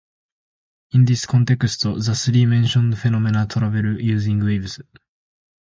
In this context, the three mentioned phenomena travel using waves.